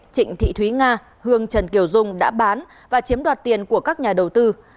trịnh thị thúy nga hương trần kiều dung đã bán và chiếm đoạt tiền của các nhà đầu tư